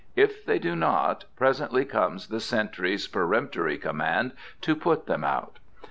If they do not, presently comes the sentry's peremptory command to put them out.